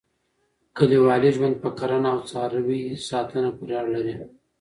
کلیوالي ژوند په کرنه او څاروي ساتنه پورې اړه لري.